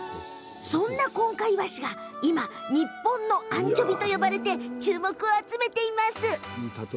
そんな、こんかいわしが今、日本のアンチョビと呼ばれて注目を集めています。